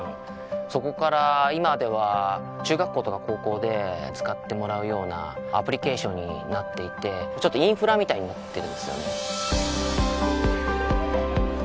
そこから今では中学校とか高校で使ってもらうようなアプリケーションになっていてちょっとインフラみたいになってるんですよね